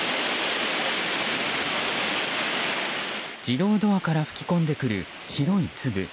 自動ドアから吹き込んでくる白い粒。